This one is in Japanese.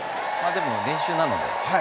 でも、練習なのでね。